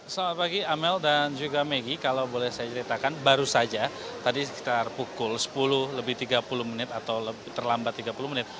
selamat pagi amel dan juga megi kalau boleh saya ceritakan baru saja tadi sekitar pukul sepuluh lebih tiga puluh menit atau terlambat tiga puluh menit